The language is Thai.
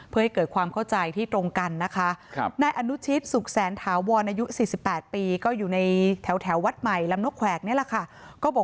เพื่อให้เกิดความเข้าใจที่ตรงกันนะคะ